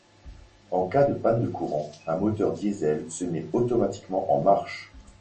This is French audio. En cas de panne de courant un moteur diesel se met automatiquement en marche.